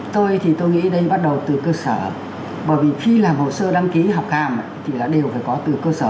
tôi thì tôi nghĩ đây bắt đầu từ cơ sở bởi vì khi làm hồ sơ đăng ký học hàm thì là đều phải có từ cơ sở